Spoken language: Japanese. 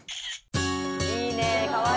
いいねかわいい。